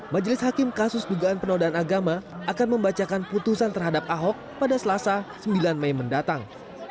majelis hakim kasus dugaan penodaan agama akan membacakan putusan terhadap ahok pada selasa sembilan mei mendatang